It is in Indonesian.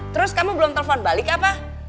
terus kamu belum telepon balik apa